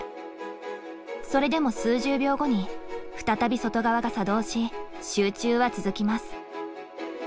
それでも数十秒後に再び外側が作動し集中は続きます。